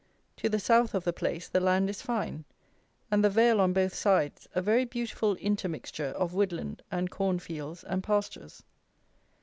To the south of the place the land is fine, and the vale on both sides a very beautiful intermixture of woodland and corn fields and pastures.